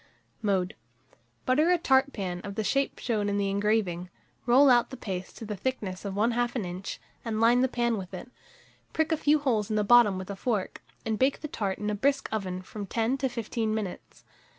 Mode. Butter a tart pan of the shape shown in the engraving, roll out the paste to the thickness of 1/2 an inch, and line the pan with it; prick a few holes at the bottom with a fork, and bake the tart in a brisk oven from 10 to 15 minutes.